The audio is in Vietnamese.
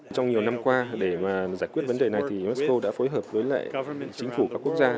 trong nhiều năm qua để giải quyết vấn đề này thì uasto đã phối hợp với lại chính phủ các quốc gia